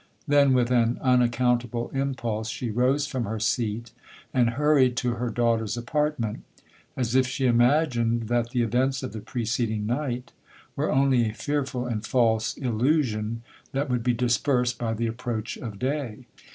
Then, with an unaccountable impulse, she rose from her seat, and hurried to her daughter's apartment, as if she imagined that the events of the preceding night were only a fearful and false illusion that would be dispersed by the approach of day.